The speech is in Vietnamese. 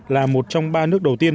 là một trong ba nước đầu tiên